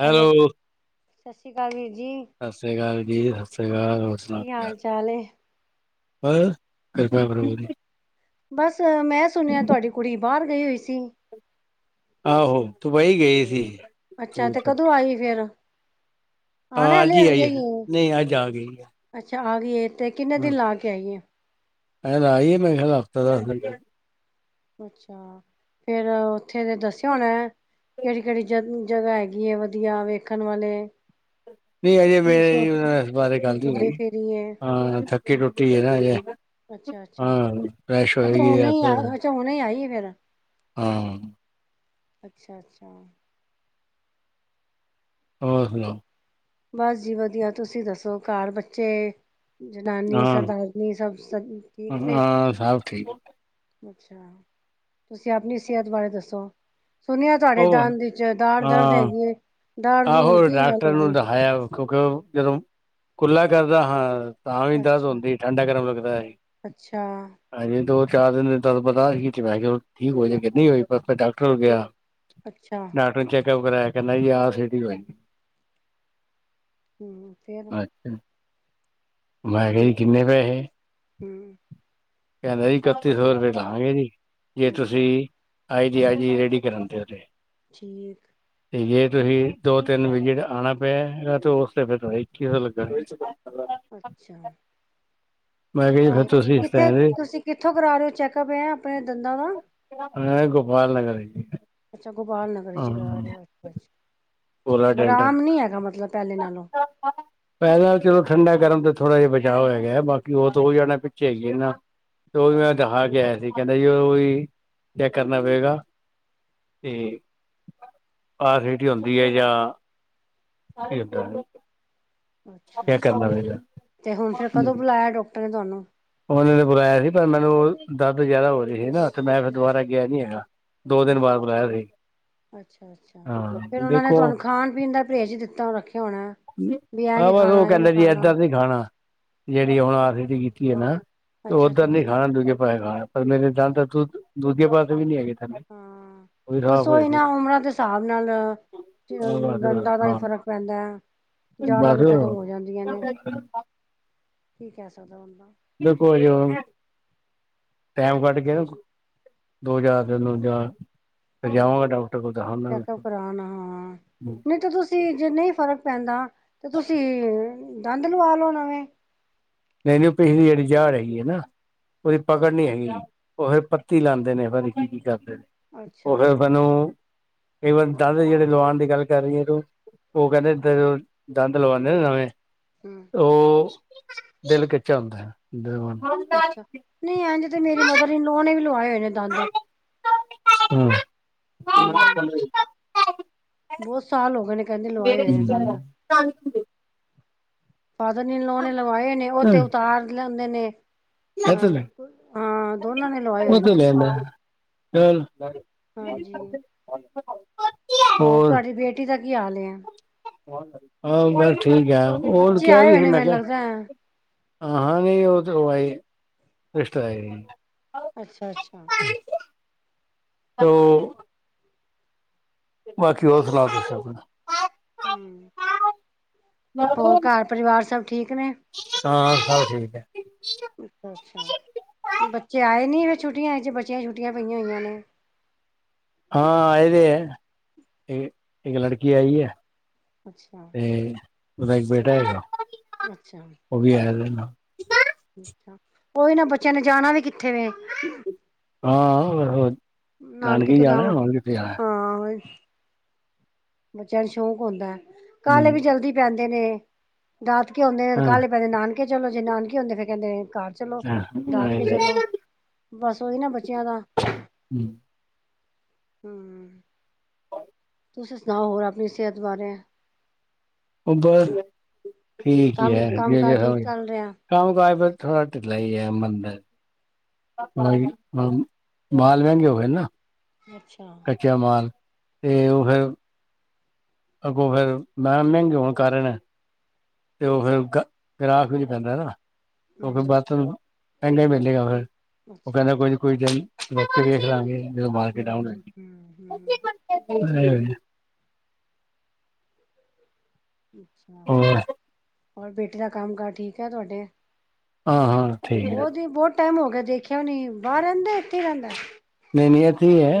Hello. ਸਤਿ ਸ਼੍ਰੀ ਅਕਾਲ ਵੀਰ ਜੀ, ਸਸ੍ਰੀ ਕਾਲ ਜੀ, ਸਸ੍ਰੀ ਕਾਲ ਹੋਰ ਸੁਣਾਓ ਕੀ ਹਾਲ? [unintelligible] ਬਸ ਮੈਂ ਸੁਣਿਆ ਤੁਹਾਡੀ ਕੁੜੀ ਬਾਹਰ ਗਈ ਹੋਈ ਸੀ। ਆਹੋ, ਦੂਬਈ ਗਈ ਹੋਈ ਸੀ। ਅੱਛਾ ਤੂੰ ਤੇ ਕਦੋਂ ਆਈ ਫਿਰ। ਹਾਂ ਅੱਜ ਹੀ ਆਈ ਐ, ਨਹੀਂ ਅੱਜ ਆ ਗਈ ਐ। ਅੱਛਾ ਆ ਗਈ ਏ, ਤੇ ਕਿੰਨੇ ਦਿਨ ਲਾ ਕੇ ਆਈ ਏ। ਏ ਲਾ ਆਈ ਐ, ਮੇਰਾ ਖਿਆਲ ਹਫਤਾ ਦਸ ਦਿਨ। ਅੱਛਾ ਫੇਰ ਉੱਥੇ ਦੇ ਦੱਸਿਆ ਹੋਣਾ ਕਿਹੜੀ, ਕਿਹੜੀ ਜ ਜਗ੍ਹਾਹ ਹੈਗੀ ਏ ਵਧੀਆ, ਵੇਖਣ ਵਾਲੇ ਨਹੀਂ ਅਜੇ ਕੀ ਮੇਰੀ ਸ਼ੋਪਿੰਗ ਇਸ ਬਾਰੇ ਕੀ ਗੱਲ ਨਈ ਘੁੰਮੇ ਹੋਈ, ਫਿਰੀ ਏ, ਹਾਂ ਥੱਕੀ ਟੁੱਟੀ ਹੈ ਨਾ ਅਜੇ। ਅੱਛਾ-ਅੱਛਾ। ਹਾਂ ਏਸ਼ ਹੋ ਰਹੀ ਏਦਰ ਤੇ ਹੁਣੇ ਈ ਆਈ ਐ ਫਿਰ। ਹਾਂ। ਅੱਛਾ, ਅੱਛਾ। ਹੋਰ ਸੁਣਾਓ। ਬਸ ਜੀ ਵਧੀਆ ਤੁਸੀਂ ਦੱਸੋ, ਘਰ ਬੱਚੇ ਜਨਾਨੀ ਹਾਂ ਸਰਦਾਰਨੀ ਸਭ, ਸਭ ਠੀਕ ਨੇ। ਹਾਂ ਸਭ ਠੀਕ ਅੱਛਾ, ਤੁਸੀਂ ਆਪਣੀ ਸਿਹਤ ਬਾਰੇ ਦੱਸੋ? ਸੁਣਿਆ ਤੁਹਾਡੇ ਉਹ ਦੰਦ ਚ ਦਾੜ ਦਰਦ ਹਾਂ ਹੈਗੀ ਏ। ਆਹੋ ਡਾਕਟਰ ਨੂੰ ਦਿਖਾਇਆ, ਕਿਉਂਕਿ ਜਦੋਂ ਕੁਲਾ ਕਰਦਾ ਹਾਂ। ਤਾਂ ਵੀ ਦਰਦ ਅੱਛਾ ਹੁੰਦੀ ਠੰਡਾ ਗਰਮ ਲੱਗਦਾ ਐ ਅੱਛਾ ਹਜੇ ਦੋ ਚਾਰ ਦਿਨ ਦੇ ਤੁਹਾਨੂੰ ਪਤਾ ਠੀਕ ਹੋ ਜਾਏਗੀ, ਨਹੀ ਹੋਈ ਮੈ ਡਾਕਟਰ ਨੂੰ ਕਹਿਆ। ਅੱਛਾ। ਸਾਰਾ ਚੈੱਕਅਪ ਕਰਆ, ਕਹਿੰਦਾ ਆਰ ਸੀਟੀ ਹੋਏਗੀ। ਫੇਰ ਮੈਂ ਕਿਹਾ ਜੀ, ਕਿੰਨੇ ਪੈਸੇ ਹਮ ਕਹਿੰਦਾ ਜੀ ਇਕੱਤੀ ਸੌ ਰੁਪਏ ਲਾਗੇ ਜੀ, ਜੇ ਅੱਛਾ ਤੁਸੀਂ ਆਏ ਜੀ ਆਏ ਜੀ ਰੇਡੀ ਕਰਵਾਦੇ ਤੇ ਠੀਕ। ਤੇ ਜੇ ਤੁਸੀ ਦੋ ਤਿੰਨ ਵਿਕਟ ਆਉਣਾ ਪਿਆ, ਤੇ ਉਸ ਤੇ ਫਿਰ ਇੱਕੀ ਸੌ ਲੱਗਣਗੇ। ਅੱਛਾ ਮੈਂ ਕਿਹਾ ਜੀ ਫਿਰ ਤੇ ਫ ਤੁਸੀਂ ਇਸ ਕਿੱਥੇ, ਤਰ੍ਹਾਂ ਦੇ ਤੁਸੀਂ ਕਿੱਥੋਂ ਕਰਾ ਰਹੇ ਹੋ ਚੈੱਕਅਪ ਆਪਣੇ ਆਪ ਹੈ ਆਪਣੇ ਦੰਦਾਂ ਦਾ ਮੈਂ ਗੋਪਾਲ ਨਗਰ ਅੱਛਾ ਗੋਪਾਲਨਗਰ ਹਾਂ ਚ ਕਰਾਂ ਰਹੇ ਹੋ, ਅੱਛਾ ਕੋਲਾ ਅੱਛਾ ਡੈਂਟਲ ਅਰਾਮ ਨੀ ਹੈਗਾ, ਮਤਲਬ ਪਹਿਲੇ ਨਾਲੋਂ ਪਹਿਲੇ ਨਾਲੋਂ ਚਲੋ ਠੰਢਾ ਗਰਮ ਤੇ ਥੋੜਾ ਜਿਹਾ ਬਚਾਅ ਹੋਗਾ ਐ, ਬਾਕੀ ਉਹਤ ਹੋ ਜਾਣਾ ਪਿੱਛੇ ਹੈਗੀ ਇਹ ਨਾ ਤੇ ਉਹ ਵੀ ਮੈਂ ਦਿਖਾ ਕੇ ਆਇਆ ਸੀ, ਕਹਿੰਦਾ ਜੀ ਉਹ ਵੀ ਚੈੱਕ ਕਰਨਾ ਪਵੇਗਾ ਤੇ ਆਲਰੇਡੀ ਹੁੰਦੀ ਹੈ, ਯਾ ਠ ਤਾਂ [inaudible] ਅੱਛਾ, ਤੇ ਹੁਣ ਫਿਰ ਕਦੋਂ ਬੁਲਾਇਆ ਡਾਕਟਰ ਨੇ ਤੁਹਾਨੂੰ ਉਹਨਾਂ ਨੇ ਬੁਲਾਇਆ ਸੀ, ਪਰ ਮੈਨੂੰ ਉਹ ਦਰਦ ਜ਼ਿਆਦਾ ਹੋ ਰਹੀ ਸੀ ਨਾ ਤੇ ਮੈਂ ਫਿਰ ਦੁਬਾਰਾ ਗਿਆ ਨੀ ਹੈਗਾ ਦੋ ਦਿਨ ਬਾਅਦ ਬੁਲਾਇਆ ਸੀ ਅੱਛਾ ਅੱਛਾ, ਹਾਂ ਫੇਰ ਉਹਨਾਂ ਨੇ ਦੇਖੋ ਤੁਹਾਨੂੰ ਖਾਣ ਪੀਣ ਦਾ ਪਰਹੇਜ ਦਿੱਤਾ ਰੱਖਿਆ ਹੋਣਾ ਵੀ ਇਹ ਆਹ ਨੀ ਬਸ ਖਾਣਾ ਉਹ ਇਹ ਨੀ ਕਹਿਦਾ ਜੀ ਖਾਣਾ ਏਦਾਂ ਨੀ ਖਾਣਾ ਜਿਹੜੀ ਹੁਣ ਆਖ਼ਿਰ ਤੇ ਕੀਤੀ ਏ ਨਾ, ਤੇ ਅੱਛਾ ਉੱਧਰ ਅੱਛਾ ਕੀ ਨੀ ਖਾਣਾ ਦੂਜੇ ਪੈਸੇ ਖਾਣਾ। ਥੱਲੇ ਦੇ ਦੰਦ-ਦੁੰਦ, ਦੂਜੇ ਪਾਸੇ ਵੀ ਨੀ ਹੈਗੇ ਥੱਲੇ। ਹਾਂ ਉਹ ਵੀ ਬਸ ਸਾਫ਼ ਹੋਏ ਓਈ ਦੇ ਨਾ ਉਮਰਾਂ ਦੇ ਹਿਸਾਬ ਨਾਲ। ਦੰਦਾਂ ਦਾ ਈ ਹਾਂ ਫ਼ਰਕ ਪੈਂਦਾ ਏ, ਜਾੜ੍ਹਾ ਬਸ ਵੀ ਖ਼ਤਮ ਹੋ ਜਾਂਦੀਆਂ ਨੇ। ਕੀ ਕਹਿ ਸਕਦਾ ਬੰਦਾ? ਜੇ ਕੋਈ ਔਰ ਟਾਈਮ ਕੱਢ ਕੇ ਨਾ, ਦੋ ਹਾਜ਼ਰ ਦੇ ਦੁ ਜਾਂ। ਫਿਰ ਹੁੰ, ਜਾਵਾਂਗਾ ਡਾਕਟਰ ਕੋਲ ਦਿਖਾਨਾ ਚੈੱਕਅਪ ਕਰਾਨ ਹਾਂ, ਨਈ ਤਾਂ ਬੱਸ। ਤੇ ਨਈ ਫਰਕ ਪੈਂਦਾ, ਤੇ ਤੁਸੀਂ ਦੰਦ ਲਵਾ ਲਓ ਨਵੇਂ। ਨੇਨੋ ਪਹਿਰ ਅੜੀ ਜੜ੍ਹ ਹੇਗੀ ਹੈ ਨਾ। ਉਹਦੀ ਪਕੜ ਨੀ ਹੈਗੀ ਓਹ ਪੱਤੀ ਲਾਂਦੇ ਨੇ ਡਾਕਟਰ ਅੱਛਾ ਓਹ ਫਿਰ, ਅੱਛਾ ਮੈਨੂੰ ਈਵਨ ਦੰਦ ਜਿਹੜੇ ਲਵਾਉਣ ਦੀ ਗੱਲ ਕਰ ਰਹੀ ਐ ਤੂੰ? ਓਹ ਕੈਂਦੇ ਤੇਰੇ, ਦੰਦ ਲਗਾਉਂਦੇ ਨਾ ਨਵੇਂ? ਹਮ। ਅੱਛਾ ਨਹੀਂ ਇੰਝ ਤੇ [inaudible] ਮੇਰੀ ਨੋ ਨੇ ਵੀ ਲਵਾਏ। ਨੇ ਦੰਦ [inaudible] ਬੋਤ ਸਾਲ ਹੋ ਗਏ ਨੇ ਕੈਂਦੇ ਲਵਾਏ ਏ ਦੰਦ। ਫਾਦਰ-ਇਨ-ਲਾਅ ਨੇ ਲਵਾਏ ਨੇ, ਓਹ ਤਾਂ ਉਤਾਰ ਲੈਂਦੇ ਨੇ। ਹਾਂ, ਹਾਂ ਦੋਨਾਂ ਨੇ ਲਵਾਏ ਹੋਏ ਨੇ। ਹਾਂਜੀ [unintelligible] ਹੋਰ, ਤੁਹਾਡੀ ਬੇਟੀ ਦਾ ਕੀ ਹਾਲ ਏ। ਬੱਚੇ ਆਏ ਹੋਏ ਨੇ ਮੈਨੂੰ ਲੱਗਦਾ [inaudible] ਹਾਂ ਨਈ ਓਹ ਤੇ ਹੋ ਆਈ ਏ, ਸਿਸਟਰ ਆਈ ਏ। ਅੱਛਾ-ਅੱਛਾ। ਤੋ [inaudible] ਹੁੰ, ਹੋਰ ਘਾਰ ਪਰਿਵਾਰ ਸਭ ਠੀਕ ਨੇ? [inaudible] ਅੱਛਾ-ਅੱਛਾ ਬੱਚੇ ਆਏ ਨੀ ਛੁੱਟੀਆਂ ਚ ਬੱਚਿਆਂ ਛੁੱਟੀਆਂ ਪਈਆਂ ਹੋਈਆਂ ਨੇ। ਹਾਂ ਆਏ ਵੇ ਏ, ਇੱ ਇੱਕ ਲੜਕੀ ਆਈ ਐ। ਅੱਛਾ ਤੇ ਓਦਾ ਇੱਕ ਬੇਟਾ ਹੈਗਾ। ਅੱਛਾ। ਓਹ ਵੀ ਆਏ ਵੇ ਨਾ। ਅੱਛਾ ਓਈ ਨਾ ਬੱਚਿਆਂ ਨੇ ਜਾਣਾ ਵੀ ਕਿੱਥੇ ਵੇ। ਹਾਂ-ਹਾਂ ਨਾਨਕੇ ਈ ਤੇ ਨਾ ਜਾਣਾ ਹੋਰ ਕਿੱਥੇ ਜਾਣਾ? ਹਾਂ ਬੱਚਿਆਂ ਨੂੰ ਸ਼ੌਕ ਹੁੰਦਾ, ਕਾਲੇ ਹੂੰ ਵੀ ਜਲਦੀ ਪੈਂਦੇ ਨੇ। ਦਾਦਕੇ ਹੋਂਦੇ ਹਾਂ ਕਾਲੇ ਪੇ ਜਾਂਦੇ ਨਾਨਕੇ ਚਲੋ ਜੀ, ਨਾਨਕੇ ਹੁੰਦੇ ਫੇਰ ਕੈਂਦੇ ਘਾਰ ਚਲੋ ਹਾਂ ਆਏ ਦਾਦਕੇ ਦੇ। ਚਲੋ, ਹੂੰ, ਬਸ ਓਈ ਨਾ ਬੱਚਿਆਂ ਦਾ। ਹੁੰ। ਤੁਸੀਂ ਸੁਣਾਓ ਹੋਰ ਆਪਣੀ ਸੇਤ ਬਾਰੇ? ਓ ਬਸ ਠੀਕ ਈ ਕੰਮ ਐ, ਕੰਮ ਜੋ-ਜੋ ਕਾਰ ਹੋ ਠੀਕ ਗਯਾ। ਚੱਲ ਰਿਹਾ ਕੰਮ-ਕਾਜ ਬਸ ਥੋੜ੍ਹਾ ਢਿੱਲਾ ਈ ਐ, ਮੰਦਰ। ਨਈ ਮਾਮ, ਮਾਲ ਮੈਗੇ ਹੋ ਗਏ ਨਾ। ਅੱਛਾ। ਕੱਚਾ ਮਾਲ, ਤੇ ਓ ਫੇਰ ਅੱਗੋਂ ਫੇਰ ਮਾਲ ਮੈਗੇ ਹੋਣ ਕਾਰਨ ਤੇ ਓ ਫੇਰ ਏ ਗਰਾਕ ਵੀ ਪੈਂਦਾ ਨਾ, ਓ ਫੇਰ ਹਮ ਬਰਤ ਨੂੰ ਮੈਗਾ ਈ ਵਿਕੇਗਾ ਫੇਰ, ਓ ਅੱਛਾ ਕੈਂਦਾ ਕੋਈ ਅੱਛਾ ਨੀ ਕੋਈ [unintelligible] ਵੇਖਲਾਂਗੇ। ਹੂੰ-ਹੂੰ-ਹੂੰ-ਹੂੰ। [inaudible] [inaudible] [inaudible] ਹੋਰ ਬੇਟੇ ਦਾ ਕੰਮ ਕਾਰ ਠੀਕ ਐ ਤੁਆਡੇ? ਹਾਂ ਹਾਂ ਠੀਕ ਹੈ ਬੋਤ ਈ ਬੋਤ ਟੈਮ ਹੋ ਗਿਆ ਦੇਖਿਆ ਨੀ, ਬਾਰ ਰੈਂਦਾ ਇੱਥੇ ਈ ਰੈਂਦਾ। ਨ‌ਈ ਨਈ ਏਥੇ ਈ ਐ।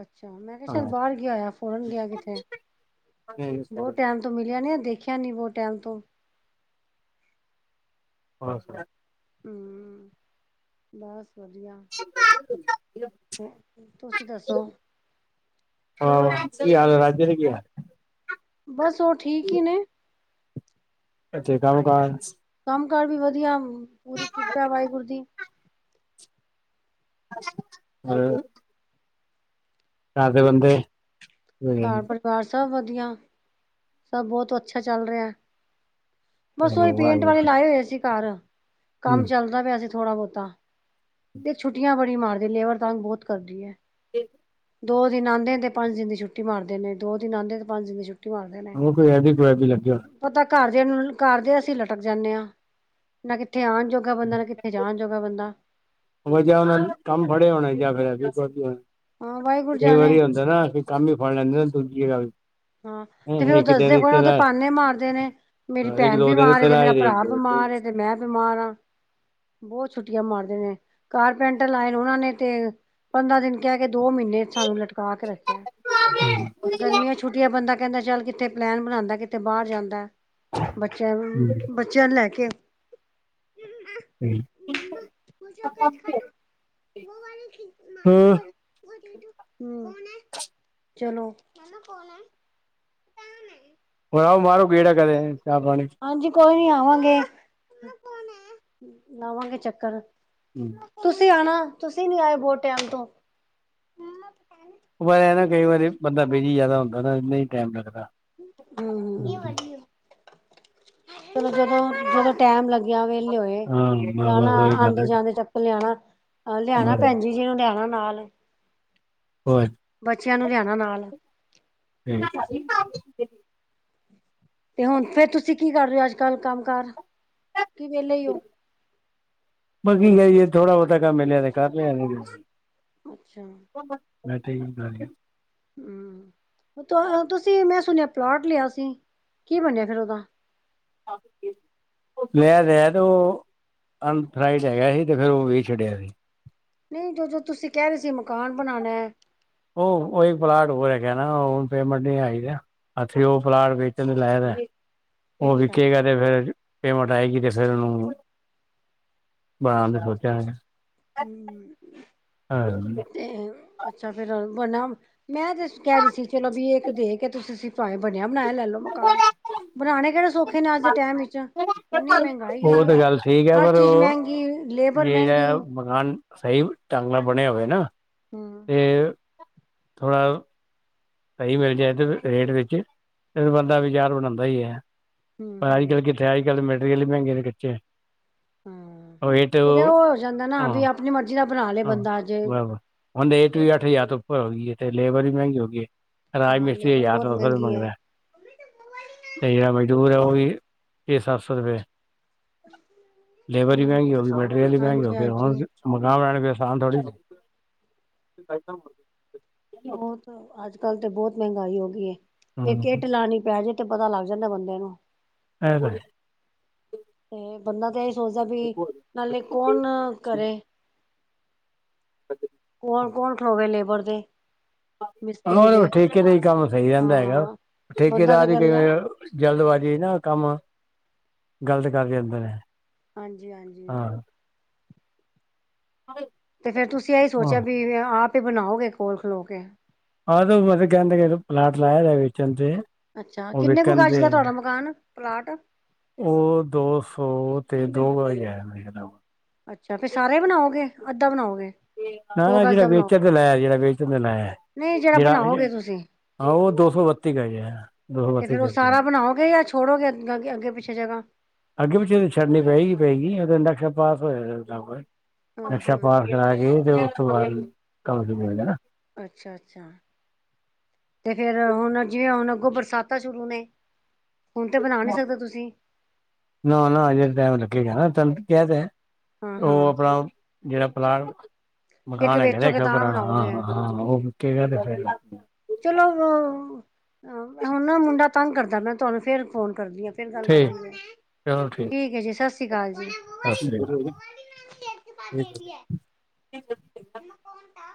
ਅੱਛਾ ਮੈਂ ਕਿਆ ਸ਼ਾਇਦ ਬਾਰ ਗਿਆ ਹੋਇਆ ਫੋਰਨ ਗਿਆ ਕਿਤੇ, ਹਾਂ ਬੋਤ ਟੈਮ ਟੈਮ ਤੋਂ ਮਿਲਿਆ ਨੀ, ਦੇਖਿਆ ਨੀ ਬੋਤ ਟੈਮ ਤੋਂ। [inaudible] ਹੂੰ, ਬਸ ਵਧੀਆ। ਤੁਸੀਂ ਦੱਸੋ? ਹਾਂ ਕੀ ਹਾਲ‌ ਆ, ਰਾਜੇ ਦੇ ਕੀ ਹਾਲ? ਬਸ ਓ ਠੀਕ ਈ ਨੇ। ਏਥੇ ਕੰਮ-ਕਾਰ। ਕੰਮ ਕਾਰ ਵੀ ਵਧੀਆ, ਪੂਰੀ ਕਿਰਪਾ ਵਾਏਗੁਰੂ ਦੀ। ਹੂੰ, ਘਰ ਦੇ ਬੰਦੇ ਘਰ ਹੂੰ ਪਰਿਵਾਰ ਸਭ ਵਧੀਆ, ਸਭ ਬਹੁਤ ਅੱਛਾ ਚੱਲ ਰਿਆ। ਬਸ ਓਈ ਪੇਂਟ ਵਾਲੇ ਲਾਏ ਹੋਏ ਸੀ ਘਾਰ, ਕੰਮ ਚੱਲਦਾ ਪਿਆ ਸੀ ਥੋੜਾ ਬੋਤਾ। ਤੇ ਛੁੱਟੀਆਂ ਬੜੀ ਮਾਰਦੇ ਲੇਬਰ ਤੰਗ ਬੋਤ ਕਰਦੀ ਏ। [inaudible] ਦੋ ਦਿਨ ਆਂਦੇ ਨੇ ਤੇ ਪੰਜ ਦਿਨ ਦੀ ਛੁਟੀ ਮਾਰਦੇ ਨੇ, ਦੋ ਦਿਨ ਆਂਦੇ ਤੇ ਪੰਜ ਦਿਨ ਦੀ ਛੁੱਟੀ। ਟੀ ਮਾਰਦੇ ਨੇ। ਉਹ ਕੋਈ ਐਬੀ ਕੁਐਬੀ ਲੱਗੇ ਹੋਣੇ। ਪਤਾ ਘਰਦਿਆਂ ਨੂੰ ਘਰਦੇ ਅਸੀਂ ਲਟਕ ਜਾਂਨੇ ਆਂ, ਨਾ ਕਿੱਥੇ ਆਣ ਜੋਗ ਗਾ ਬੰਦਾ ਨਾ, ਕਿੱਥੇ ਜਾਣ ਜੋੋਗਾ ਬੰਦਾ। ਵਜਾ ਓਨਾ ਕੰਮ ਫੜੇ ਹੋਣੇ ਜਾਂ ਫਿਰ‌ ਐਂਵੇ ਕਰਦੇ, ਹਾਂ ਵਾਹਿਗੁਰੂ ਕਈ ਜਾਣੇ ਵਾਰੀ ਹੁੰਦਾ ਨਾ ਕੀ ਕੰਮ ਈ ਫੜ ਲੈਂਦੇ ਨਾ ਦੂਜੀ ਜਗ੍ਹਾ ਵੀ। ਹਾਂ ਤੇ ਫੇਰ ਓ ਦੱਸਦੇ ਕੋਈ ਨਾ ਓ ਤੇ ਪਾਨੇ ਮਾਰਦੇ ਨੇ। ਮੇਰੀ ਭੈਣ ਬਿਮਾਰ ਏ, ਤੇ ਮੇਰਾ ਭਰਾ ਬਿਮਾਰ ਏ ਤੇ ਮੈਂ ਬਿਮਾਰ ਆਂ। ਬੋਤ ਛੁੱਟੀਆਂ ਮਾਰਦੇ ਨੇ, ਕਾਰਪੈਂਟਰ ਲਾਏ ਨੇ ਓਨਾਂ ਨੇ ਤੇ। ਪੰਦਰਾਂ ਦਿਨ ਕਹਿ ਕੇ ਦੋ ਮੀਨੇ ਸਾਨੂੰ ਲਟਕਾ ਕੇ ਰੱਖਿਆ। ਗਰਮੀਆਂ ਚ ਛੁੱਟੀਆਂ ਬੰਦਾ ਕੈਂਦਾ ਚੱਲ ਕਿੱਥੇ ਪਲੈਨ ਬਣਾਂਦਾ, ਕਿੱਥੇ ਬਾਰ ਜਾਂਦਾ। ਬੱਚਿਆਂ ਨੂੰ, ਬੱਚਿਆਂ ਨੂੰ ਲੈ ਕੇ। [inaudible] [inaudible] ਹੂੰ ਚਲੋ [inaudible] ਹੋਰ ਆਓ ਮਾਰ ਗੇੜਾ ਘਰੇ ਚਾਹ-ਪਾਣੀ ਹਾਂਜੀ, ਕੋਈ ਨੀ ਆਵਾਂਗੇ। ਲਾਵਾਂਗੇ ਚੱਕਰ। ਹਮ [unintelligible] ਤੁਸੀਂ ਆਣਾ, ਤੁਸੀਂ ਨੀ ਆਏ, ਬਹੁਤ ਟਾਈਮ ਤੋਂ। ਮਾਮਾ ਪੈਨ। ਪਰ ਨਾ ਕਈ ਵਾਰੀ ਬੰਦਾ ਬਿਜੀ ਜ਼ਿਆਦਾ ਹੁੰਦਾ ਨਾ। ਨਹੀ ਟਾਈਮ ਲੱਗਦਾ। ਹਮ ਜਦੋਂ [unintelligible] ਜਦੋਂ ਟੈਮ ਲੱਗਿਆ ਵਹਲੇ ਹੋਏ, ਹਾਂ ਲਾਣਾ ਬਸ ਉਹੀ ਗੱਲ ਆਦੇ- ਹੈ ਜਾਂਦੇ ਚੱਕਰ ਲਿਆਉਣਾ। ਆਹ ਲਿਆਣਾ, ਭੈਣਜੀ ਜੀ ਨੂੰ ਲਿਆਣਾ ਨਾਲ। ਹੋਰ [unintelligible] ਬੱਚਿਆਂ ਨੂੰ ਲਿਆਣਾ ਨਾਲ। [unintelligible] ਤੇ ਹੁਣ ਫੇਰ ਤੁਸੀਂ ਕੀ ਕਰ ਰਹੇ ਹੋ, ਅੱਜ ਕੱਲ ਕੰਮ ਕਾਰ? ਕੀ ਵੇਲੇ ਹੋ? ਬਾਕੀ ਇਹ ਹੈ ਥੋੜ੍ਹਾ ਬਹੁਤਾ ਕੰਮ ਮਿਲਿਆ ਤੇ ਕਰ ਲਿਆ਼ ਨਹੀ ਤੇ। ਅੱਛਾ। ਮੈਂ ਤੇ ਹੀ ਬ ਆ [unintelligible] ਹਮ, ਤੁਸੀਂ ਮੈਂ ਸੁਣਿਆ ਪਲੋਟ ਲਿਆ ਸੀ ਕੀ ਬਨਿਆ ਫਿਰ ਉਹਦਾ? ਸ [unintelligible] ਲੈ ਲੈਂਦੋ, ਅੰਧਰਾਈਡ ਹੈਗਾ ਹੀ। ਤੇ ਫਿਰ ਉਹ ਵੇਚ ਛੱਡਿਆ ਸੀ। ਨਹੀਂ ਜੋ ਜੋ ਤੁਸੀਂ ਕਹਿ ਰਹੇ ਸੀ। ਮਕਾਨ ਬਣਾਣਾ ਉਹ ਇੱਕ ਪਲਾਟ ਹੋਰ ਹੈਗਾ ਨਾ। ਹਣ ਪੇਮੈਂਟ ਨਹੀਂ ਆਈ। ਅੱਛਾ ਉਹ ਪਲਾਟ ਵੇਚਣ ਲਾਇਆ ਦਾ, ਉਹ ਅੱਛਾ ਵਿਕੇਗਾ - ਤੇ ਫੇਰ ਪੇਮੈਂਟ ਆਏਗੀ, ਤੇ ਫੇਰ ਉਹਨੂੰ ਬਣਾਣਾ ਸੋਚਿਆ। ਹਮ [inaudible] ਹਾਂ। ਅਤੇ ਅੱਛਾ। ਫਿਰ ਬਨਾ ਮੈਂ ਤੇ ਕਹਿ ਰਹੀ ਸੀ, ਚਲੋ ਬੀ ਇੱਕ ਦੇ ਕੇ ਤੁਸੀਂ। ਪਾਵੇ ਬਣਿਆ- ਬਣਾਇ ਲੈ ਲੋ ਮਕਾਨ ਬਣਾਉਣੇ ਕਿਹੜੇ ਸੁੌਖੇ। ਲੇਕਿਨ ਅੱਜ ਦੇ ਟਾਈਮ ਵਿੱਚ ਇੰਨੀ ਮਹਿੰਗਾਈ ਉਹ ਤਾਂ ਹੈ, ਗੱਲ ਠੀਕ ਹੈ ਹਰ ਪਰ ਚੀਜ਼ ਉਹ ਮਹਿੰਗੀ, ਲੇਬਰ ਮਹਿੰਗੀ ਜਿਹੜਾ ਮਕਾਨ ਸਹੀ ਟੰਗ ਨਾਲ ਬਣਿਆ ਹੋਵੇ ਨਾ। ਹਾਂ। ਤੇ ਥੋੜ੍ਹਾ ਸਹੀ ਮਿਲ ਜਾਏ ਤੇ ਰੇਟ ਵਿੱਚ ਫਿਰ ਬੰਦਾ ਵਿਚਾਰ ਬਣਾਉਂਦਾ ਹੀ ਹੈ। ਹੂੰ ਪਰ ਅੱਜ- ਕੱਲ ਹੂੰ ਕਿੱਥੇ ਅੱਜ- ਕੱਲ ਮਟੀਰੀਅਲ ਵੀ ਮਹਿੰਗੇ ਨੇ ਕੱਚੇ ਏ। ਹਮ, ਤੇ ਉਹ ਹੋ ਜਾਂਦਾ ਨਾ, ਬੀ ਹਾਂ ਆਪਣੀ ਮਰਜੀ ਦਾ ਬਣਾ ਲਏ ਬੰਦਾ ਜੇ। ਹੰਤੇ ਏਟ ਵੀ ਅੱਠ ਹਜ਼ਾਰ ਤੋਂ ਉੱਪਰ ਹੋਗੀ, ਤੇ ਲੇਬਰ ਵੀ ਮਹਿੰਗੀ ਹੋਗੀ ਹੈ। ਰਾਜ ਮਿਸਤਰੀ ਲੇਬਰ ਹਾਜਾਰ ਬਹੁਤ ਦੋ ਫਿਰ ਮਹਿੰਗੀ ਹੈ ਮੰਗਦਾ। ਤੇ ਜੇੜਾ ਮਜ਼ਦੂਰ ਹੈ, ਉਹ ਵੀ ਛੇ- ਸੱਤ ਸੌ ਰੁਪਏ। ਲੇਬਰ ਵੀ ਹੂੰ ਮਹਿੰਗੀ ਹੋ ਗ, ਮੈਟੀਰੀਅਲ ਵੀ,, ਮਹਿੰਗਾ ਹੋ ਹਾਂਜੀ ਗਿਆ ਹਾਂਜੀ ਮਕਾਨ ਬਣਾਣੇ ਸਾਨ ਥੋੜ੍ਹੀ [unintelligible] ਬਹੁਤ ਅੱਜ- ਕੱਲ ਤੇ ਬਹੁਤ ਮਹਿੰਗਾਈ ਹੋ ਗਈ ਇਕ ਹੂੰ, ਇੱਟ ਲਾਣੀ ਪੈਜੇ ਪਤਾ ਲੱਗ ਜਾਂਦਾ ਬੰਦੇ ਨੂੰ। ਹੈ ਬਈ ਤੇ ਬੰਦਾ ਤੇ ਇਹੀ ਸੋਚਦਾ ਵੀ ਨਾਲੇ ਕੌਣ ਕਰੇ? ਕੌਣ- ਕੌਣ ਖਲੋਵੇ ਲੇਬਰ ਤੇ? ਰੋਜ ਰੋਜ ਠੇਕੇ ਤੇ ਹੀ ਕੰਮ ਸਹੀ ਰਹਿੰਦਾ ਹੈਗਾ ਹਾਂ ਬੰਦਾ ਠੇਕੇਦਾਰ ਤੇ ਹੀ ਕਈ ਕਹਿੰਦਾ ਵਾਰ ਜਲਦਬਾਜ਼ੀ ਨਾ ਕੰਮ ਗਲਤ ਕਰ ਜੰਦਾ ਹੈ। ਹਾਂਜੀ- ਹਾਂਜੀ। ਹਾਂਜੀ 'ਤੇ ਫਿਰ ਤੁਸੀਂ ਇਹੀ ਸੋਚਿਆ ਵੀ, ਆਪ ਹੀ ਬਣਾਓਗੇ ਕੋਲ ਖਲੋ ਕੇ ਆਹ ਮਤਲਬ ਕਹਿੰਦੇ ਕਿ ਪਲਾਟ ਲਾਇਆ ਜਾ ਵੇਚਣ ਤੇ ਅੱਛਾ ਉਹ ਕਿੰਨੇ ਕੁ' ਵਿਕਣ ਗਜ ਤੇ ਦਾ ਤੁਹਾਡਾ ਮਕਾਨ ਪਲਾਟ ਉਹ ਦੋ ਸੌ ਤੇ ਦੋ ਗਜ ਹੈ ਆ ਮੇਖਦਾ ਅੱਛਾ ਫੇਰ ਸਾਰੇ ਬਣਾਓਗੇ ਅੱਧਾ ਬਣਾਓਗੇ ਸੌ ਨਾ-ਨਾ ਗਜ ਜੇਹੜਾ ਦਾ ਵੇਚਣ ਬਣਾਓਗੇ ਤੇ ਲਾਇਆ, ਜੇਹੜਾ ਵੇਚਣ ਤੇ ਲਾਇਆ ਨਹੀਂ ਜਿਹੜਾ ਜੇਹੜਾ ਬਣਾਓਗੇ ਤੁਸੀਂ ਆਹੋ ਉਹ ਦੋ ਸੌ ਬੱਤੀ ਗਜ, ਦੋ ਸੌ ਤੇ ਬੱਤੀ ਫੇਰ ਗਜ ਉਹ ਸਾਰਾ ਬਣਾਓਗੇ ਅੱਜ ਛੋੜੋਗੇ ਅ ਅੱਗੇ ਪਿੱਛੇ ਜਗਾ ਅੱਗੇ ਪਿੱਛੇ ਛੱਡਨੀ ਪਏਗੀ, ਪਏਗੀ ਇਹ ਇੰਡਕਸ਼ਨ ਪਾਸ ਹੋਏਗਾ [unintelligible] ਹਾਂ ਨਕਸ਼ਾ ਪਾਸ ਹਾਂ ਕਰਾ ਕੇ ਤੇ ਉਸ ਤੋਂ ਬਾਅਦ ਕੰਮ ਸ਼ੁਰੂ ਹੋਏਗਾ ਅੱਛਾ-ਅੱਛਾ 'ਤੇ ਫਿਰ ਹੁਣ ਜਿਵੇਂ ਹੁਣ ਅੱਗੋਂ ਬਰਸਾਤਾ ਸ਼ੁਰੂ ਨੇ, ਹੁਣ ਤੇ ਬਣਾ ਨੀ ਸਕਦੇ ਤੁਸੀਂ ਨਾ-ਨਾ ਅਜੇ ਟੈਮ ਲੱਗੇਗਾ ਨਾ ਤੁਹਾਨੂੰ ਕਿਹਾ ਤੇ ਹੈ, ਹਾਂ ਹਾਂ ਉਹ ਆਪਣਾ ਜਿਹੜਾ ਪਲਾਟ, ਇੱਕ ਮਕਾਨ ਹੈਗਾ ਵੇਚੋਗੇ ਇੰਨਾ ਤਾਂ ਪੁਰਾਣਾ ਬਣਾਓਗੇ ਹ ਹ ਉਹ ਵਿਕੇਗਾ ਤੇ ਫਿਰ' ਚਲੋ ਹੁ ਹਨਾ ਮੁੰਡਾ ਤੰਗ ਕਰਦਾ ਪਿਆ ਮੈਂ ਤੁਹਾਨੂੰ ਫੇਰ ਫੋਨ ਕਰਦੀ ਹਾਂ ਫੇਰ ਗੱਲ ਠੀਕ ਕਰਾਂਗੇ, ਠੀਕ ਹੈ ਜੀ, ਸਸ੍ਰੀ ਅਕਾਲ ਜੀ। ਸਸ੍ਰੀ ਅਕਾਲ ਜੀ। ਵਿਧ ਫਿਰ ਮੰਮਾ ਕੌਣ ਥਾ